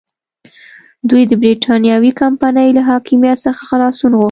دوی د برېټانوي کمپنۍ له حاکمیت څخه خلاصون غوښته.